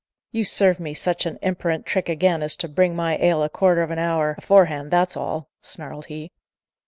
"You serve me such a imperant trick again, as to bring my ale a quarter of a hour aforehand, that's all!" snarled he.